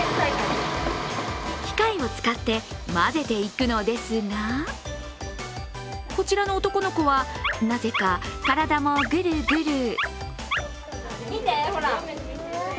機械を使って混ぜていくのですがこちらの男の子はなぜか体もぐるぐる。